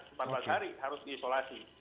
sempat berhari harus diisolasi